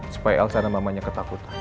supaya elsa dan mamanya ketakutan